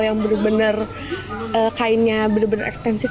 yang bener bener kainnya bener bener ekspansif